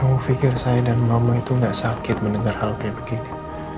aku pikir saya dan mama itu gak sakit mendengar hal kayak begini